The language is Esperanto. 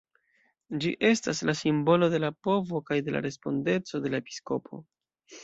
Ĝi estas la simbolo de la povo kaj de la respondeco de la episkopo.